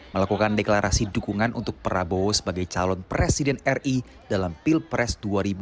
melakukan deklarasi dukungan untuk prabowo sebagai calon presiden ri dalam pilpres dua ribu dua puluh